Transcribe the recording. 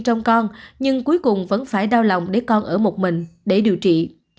trong con nhưng cuối cùng vẫn phải đau lòng để con ở một mình để điều trị